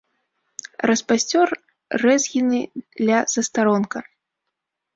Распасцёр рэзгіны ля застаронка.